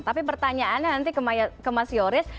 tapi pertanyaannya nanti ke mas yoris